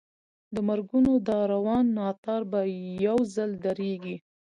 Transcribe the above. د مرګونو دا روان ناتار به یو ځل درېږي.